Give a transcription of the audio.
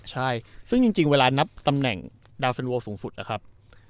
ใช่ซึ่งจริงเวลานับตำแหน่งดาวเซ็นโวลสูงสุดนะครับ